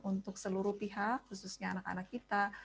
untuk seluruh pihak khususnya anak anak kita